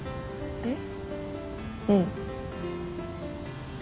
えっ？